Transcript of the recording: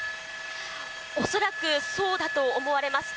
恐らくそうだと思われます。